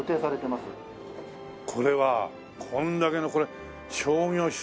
これはこんだけのこれ商業施設。